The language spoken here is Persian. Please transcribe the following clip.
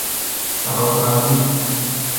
شراب قوی